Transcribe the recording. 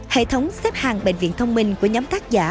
hệ thống xếp hàng bệnh viện thông minh của nhóm tác giả